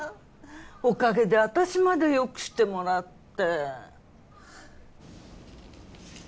おかげで私までよくしてもらって。